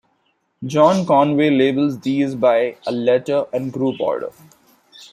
John Conway labels these by a letter and group order.